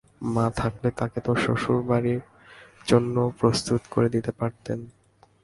মা থাকলে তোকে তোর শ্বশুরবাড়ির জন্যে প্রস্তুত করে দিতে পারতেন।